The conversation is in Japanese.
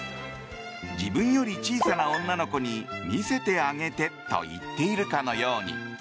自分より小さな女の子に見せてあげてと言っているかのように。